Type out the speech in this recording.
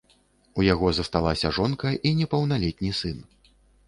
У яго засталася жонка і непаўналетні сын.